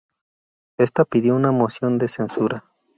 Esta pidió una moción de censura.